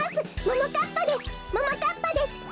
ももかっぱです。